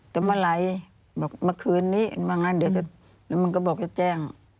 เท่าเมื่อไหร่บอกมาคืนมี่หรือบางงานเดียวมันมันก็บอกแจ้ง